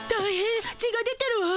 血が出てるわ。